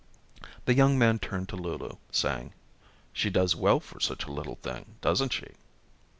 The young man turned to Lulu, saying: "She does well for such a little thing, doesn't she?"